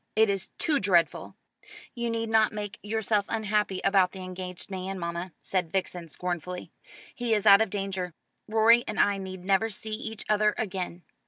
It is too dreadful." "You need not make yourself unhappy about the engaged man, mamma," said Vixen scornfully. "He is out of danger. Rorie and I need never see each other again.